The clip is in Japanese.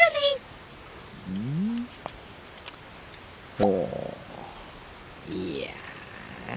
ほういや。